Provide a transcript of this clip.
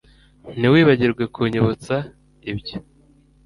Ntiwibagirwe kunyibutsa ibyo